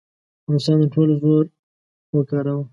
روسانو ټول زور وکاراوه.